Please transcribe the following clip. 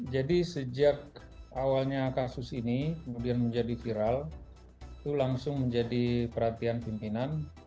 jadi sejak awalnya kasus ini kemudian menjadi viral itu langsung menjadi perhatian pimpinan